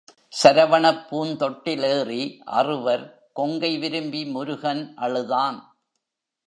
சரவணப் பூந்தொட்டிலேறி அறுவர் கொங்கை விரும்பி முருகன் அழுதான்.